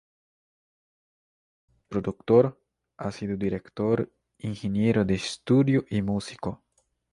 Además de productor, ha sido director, ingeniero de estudio y músico.